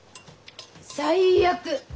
最悪！